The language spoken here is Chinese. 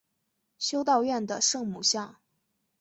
修道院的圣母像。